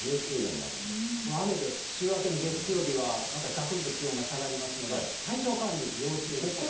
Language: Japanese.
２２度、雨で、週明けの月曜日はまたがくんと気温が下がりますので、体調管理、要注意ですね。